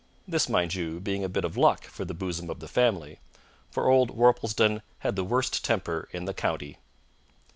This, mind you, being a bit of luck for the bosom of the family, for old Worplesdon had the worst temper in the county.